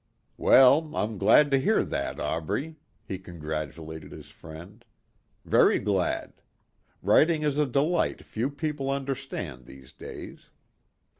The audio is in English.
"Well, I'm glad to hear that, Aubrey," he congratulated his friend. "Very glad. Writing is a delight few people understand these days."